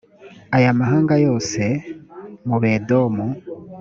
aya mahanga yose mu bedomu